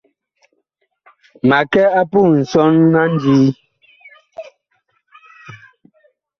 Ma kɛ a puh nsɔn a ndii.